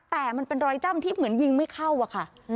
แต่มันเป็นรอยจ้ำที่เหมือนยิงไม่เข้าอะค่ะ